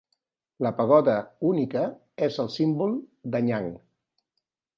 La pagoda única és el símbol d'Anyang.